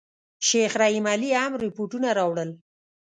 شیخ رحیم علي هم رپوټونه راوړل.